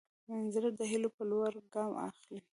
زړه د هيلو په لور ګام اخلي.